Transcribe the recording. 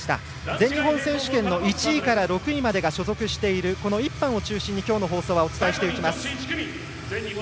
全日本選手権の１位から６位までが所属している１班を中心に今日の放送はお伝えしていきます。